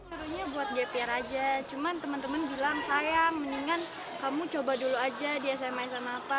harunya buat gap year aja cuman temen temen bilang sayang mendingan kamu coba dulu aja di sma sma apa